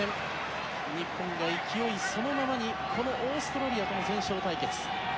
日本が勢いそのままにこのオーストラリアとの全勝対決。